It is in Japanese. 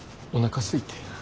おなかすいて。